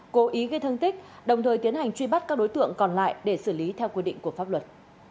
cố ý gây thương tích đồng thời tiến hành truy bắt các đối tượng còn lại để xử lý theo quy định của pháp luật